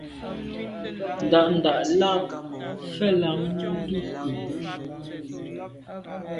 Ndà’ndà’ lα mfɛ̂l ὰm Ndʉ̂kə.